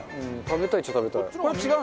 食べたいっちゃ食べたい。